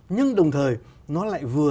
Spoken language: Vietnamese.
nhưng đồng thời nó lại vừa